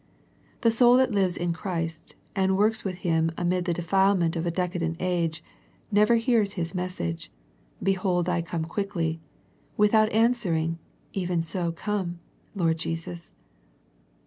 The soul that lives in Christ, and works with Him amid the defilement of a decadent age, never hears His message " Behold, I come quickly " without answering, " Even so come, Lord Jesus."